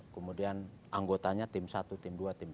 kemudian anggotanya tim satu tim dua tim